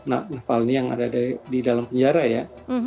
nah navalny yang ada di dalam penjara ya